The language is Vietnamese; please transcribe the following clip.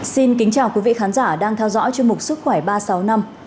xin kính chào quý vị khán giả đang theo dõi chương mục sức khỏe ba sáu năm